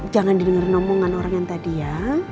jangan didengar omongan orang yang tadi ya